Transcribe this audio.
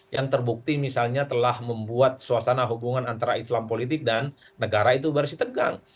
yang terbukti misalnya telah membuat suasana hubungan antara islam politik dan negara itu bersih tegang